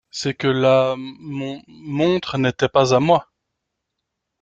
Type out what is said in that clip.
c'est que la mon … montre n'était pas à moi !